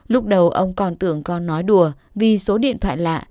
lúc đầu ông còn tưởng con nói đùa vì số điện thoại lạ